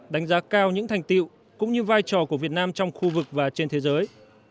đánh giá cao những thành tiệu cũng như vai trò của việt nam trong khu vực và trên thế giới